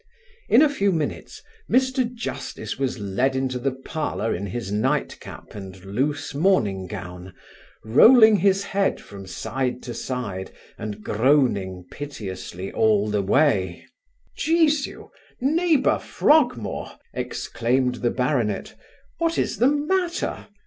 In a few minutes, Mr Justice was led into the parlour in his nightcap and loose morning gown, rolling his head from side to side, and groaning piteously all the way. 'Jesu! neighbour Frogmore (exclaimed the baronet), what is the matter?